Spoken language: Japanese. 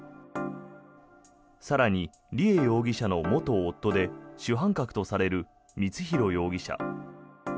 更に梨恵容疑者の元夫で主犯格とされる光弘容疑者。